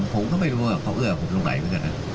ผมก็ไม่รู้ว่าเขาเอื้อกับผมตรงไหนไปกันนะ